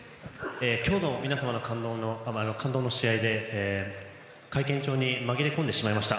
今日の皆様の感動の試合で会見場に紛れ込んでしまいました。